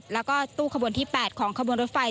แล้วก็ตู้ขบวนที่๘ของขบวนรถไฟ